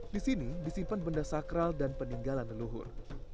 disini disimpan benda sakral dan peninggalan leluhur